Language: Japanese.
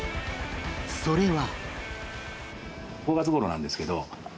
それは。